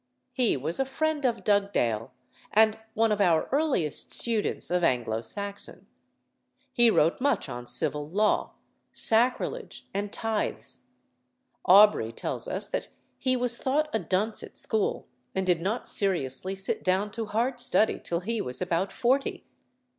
He was a friend of Dugdale, and one of our earliest students of Anglo Saxon. He wrote much on civil law, sacrilege, and tithes. Aubrey tells us that he was thought a dunce at school, and did not seriously sit down to hard study till he was about forty.